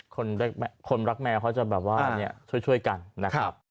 คนรักแมวเขาจะแบบว่าช่วยกันนะครับ